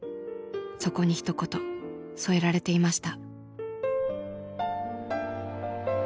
そこにひと言添えられていました。